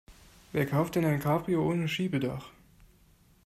Wer kauft denn ein Cabrio ohne Schiebedach?